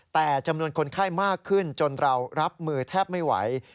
แต่จำนวนคนไข้มากขึ้นจนเรารับมือแทบไม่ไหว